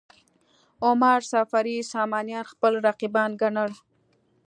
عمر صفاري سامانیان خپل رقیبان ګڼل.